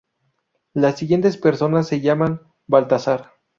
Las siguientes personas se llaman Baltazar